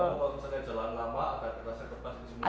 kalau misalnya jalan lama agak terasa kebas kesemutan